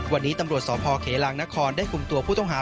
วันนี้ตำรวจสพเขลางนครได้คุมตัวผู้ต้องหา